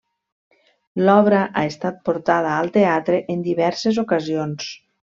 L'obra ha estat portada al teatre en diverses ocasions.